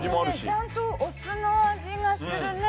ちゃんとお酢の味がするね。